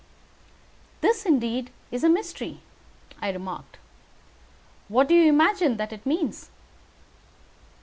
"This is indeed a mystery," I remarked. "What do you imagine that it means?"